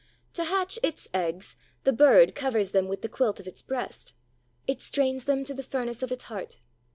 To hatch its eggs, the bird covers them with the quilt of its breast; it strains them to the furnace of its heart.